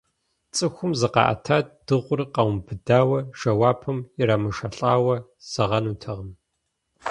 Цӏыхум зыкъаӏэтат, дыгъур къамыубыдауэ, жэуапым ирамышэлӀауэ зэгъэнутэкъым.